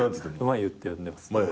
真佑って呼んでます。